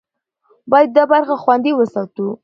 باید دا برخه خوندي وساتو.